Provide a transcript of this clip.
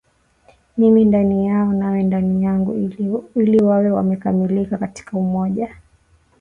Mimi ndani yao nawe ndani yangu ili wawe wamekamilika katika umoja